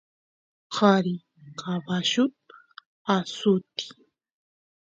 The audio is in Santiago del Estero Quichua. qari caballut asutiy